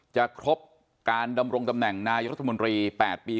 จะครบการดำรงตำแหน่งนายรัฐมนตรี๘ปี